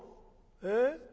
「えっ？